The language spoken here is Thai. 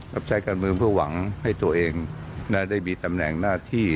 รับใช้การเมืองเพื่อหวังให้ตัวเองได้มีตำแหน่งหน้าที่